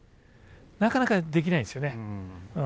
なかなかできないんですよね。